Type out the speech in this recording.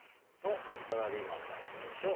サラリーマンさん行きましょう。